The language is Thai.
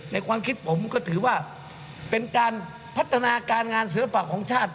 ความคิดผมก็ถือว่าเป็นการพัฒนาการงานศิลปะของชาติ